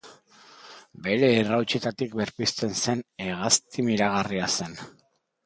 Bere errautsetatik berpizten zen hegazti miragarria zen.